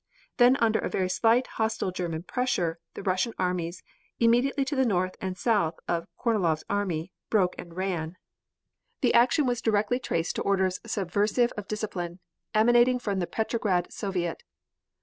Then under a very slight hostile German pressure, the Russian armies, immediately to the north and south of Kornilov's army, broke and ran. This action was directly traced to orders subversive of discipline, emanating from the Petrograd Soviet.